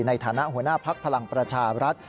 ในฐานะหัวหน้าภักดิ์พลังประชารัฐ